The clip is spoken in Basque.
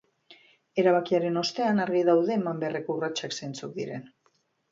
Erabakiaren ostean, argi daude eman beharreko urratsak zeintzuk diren.